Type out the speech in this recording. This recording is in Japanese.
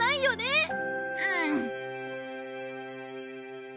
うん？